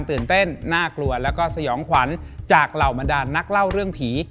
ตื่นเต้นน่ากลัวแล้วก็สยองขวัญจากเหล่าบรรดานนักเล่าเรื่องผี